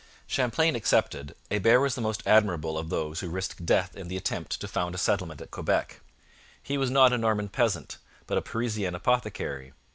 Champlain excepted, Hebert was the most admirable of those who risked death in the attempt to found a settlement at Quebec. He was not a Norman peasant, but a Parisian apothecary.